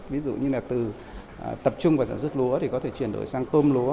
ví dụ như là từ tập trung vào sản xuất lúa thì có thể chuyển đổi sang tôm lúa